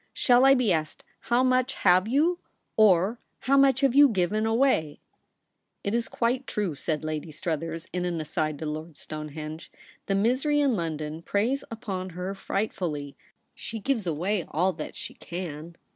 Shall I be asked, How much have you ? or, How much have you given away ?'' It is quite true,' said Lady Struthers in an aside to Lord Stonehenge. ' The misery in London preys upon her frightfully. She gives away all that she can.